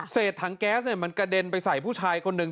เสร็จถังแก๊สมันกระเด็นไปใส่ผู้ชายคนหนึ่ง